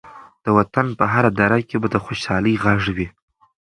د وطن په هره دره کې به د خوشحالۍ غږ وي.